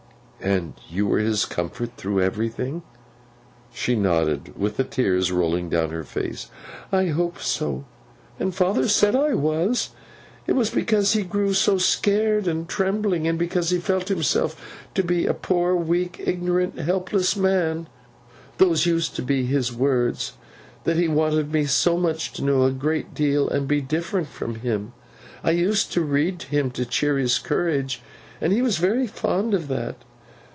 'And you were his comfort through everything?' She nodded, with the tears rolling down her face. 'I hope so, and father said I was. It was because he grew so scared and trembling, and because he felt himself to be a poor, weak, ignorant, helpless man (those used to be his words), that he wanted me so much to know a great deal, and be different from him. I used to read to him to cheer his courage, and he was very fond of that.